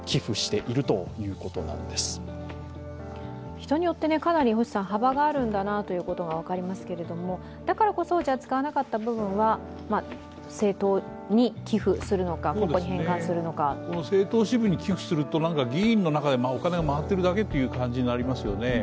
人によってかなり幅があるんだなと分かりますが、だからこそ、使わなかった部分は政党に寄付するのか、政党に寄付すると議員の中でお金が回っているだけという感じになりますよね。